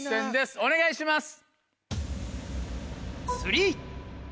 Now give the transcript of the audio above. お願いします。